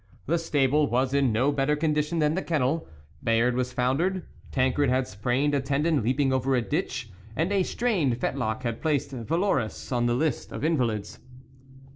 The stable was in no better condition than the kennel ; Bayard was foundered, Tancred had sprained a tendon leaping over a ditch, and a strained fetlock had placed Valourous on the list of invalids.